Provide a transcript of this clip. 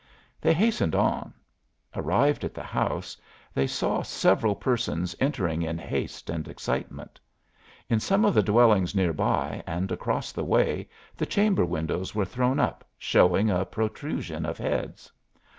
They hastened on. Arrived at the house, they saw several persons entering in haste and excitement. In some of the dwellings near by and across the way the chamber windows were thrown up, showing a protrusion of heads.